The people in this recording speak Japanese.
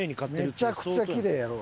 めちゃくちゃきれいやろ。